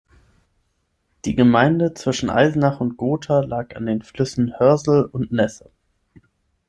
Die Gemeinde zwischen Eisenach und Gotha lag an den Flüssen Hörsel und Nesse.